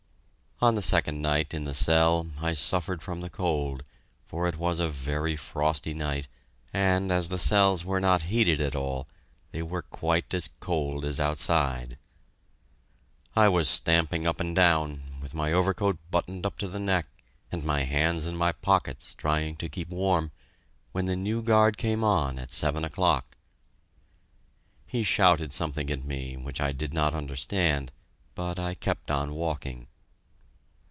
On the second night in the cell I suffered from the cold, for it was a very frosty night, and as the cells were not heated at all, they were quite as cold as outside. I was stamping up and down, with my overcoat buttoned up to the neck and my hands in my pockets, trying to keep warm, when the new guard came on at seven o'clock. He shouted something at me, which I did not understand, but I kept on walking.